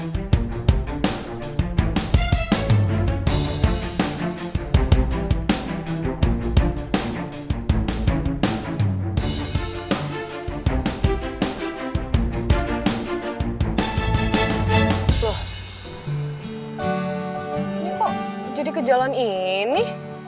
loh ini kok jadi ke jalan ini